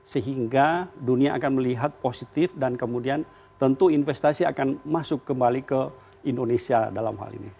sehingga dunia akan melihat positif dan kemudian tentu investasi akan masuk kembali ke indonesia dalam hal ini